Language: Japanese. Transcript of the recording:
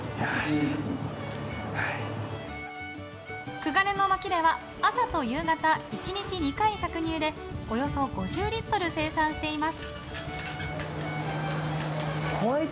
くがねの牧では朝と夕方、１日２回の搾乳でおよそ５０リットル生産しています。